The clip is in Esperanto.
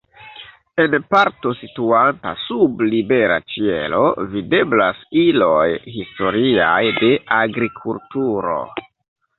En parto situanta sub libera ĉielo videblas iloj historiaj de agrikulturo.